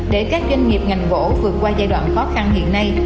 để các doanh nghiệp ngành gỗ vượt qua giai đoạn khó khăn hiện nay